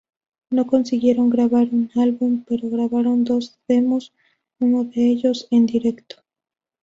No consiguieron grabar un álbum, pero grabaron dos demos, uno de ellos en directo.